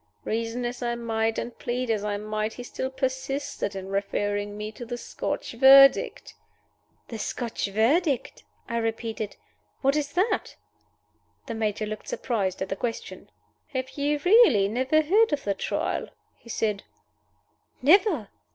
Reason as I might, and plead as I might, he still persisted in referring me to the Scotch Verdict." "The Scotch Verdict?" I repeated. "What is that?" The Major looked surprised at the question. "Have you really never heard of the Trial?" he said. "Never."